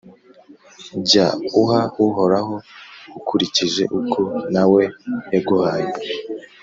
Jya uha Uhoraho ukurikije uko na we yaguhaye,